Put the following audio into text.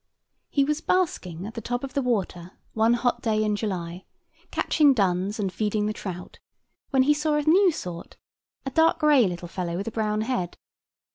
He was basking at the top of the water one hot day in July, catching duns and feeding the trout, when he saw a new sort, a dark gray little fellow with a brown head.